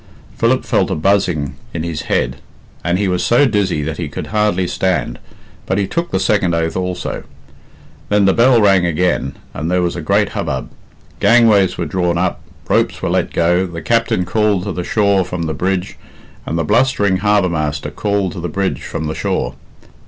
Philip felt a buzzing in his head, and he was so dizzy that he could hardly stand, but he took the second oath also. Then the bell rang again, and there was a great hubbub. Gangways were drawn up, ropes were let go, the captain called to the shore from the bridge, and the blustering harbour master called to the bridge from the shore.